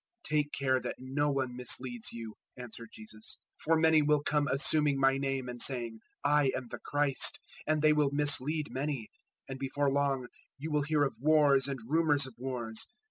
024:004 "Take care that no one misleads you," answered Jesus; 024:005 "for many will come assuming my name and saying `I am the Christ;' and they will mislead many. 024:006 And before long you will hear of wars and rumours of wars.